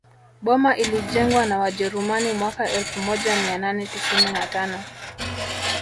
Boma ilijengwa na wajerumani mwaka elfu moja mia nane tisini na tano